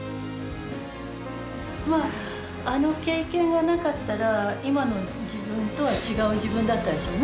あの経験がなかったら今の自分とは違う自分だったでしょうね